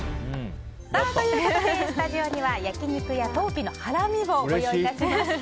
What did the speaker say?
スタジオには焼肉家東貴のハラミをご用意いたしました。